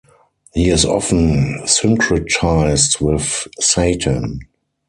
He is often syncretised with Satan.